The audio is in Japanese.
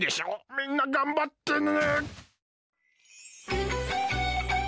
みんながんばってね！